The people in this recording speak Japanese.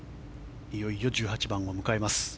いよいよ１８番を迎えます。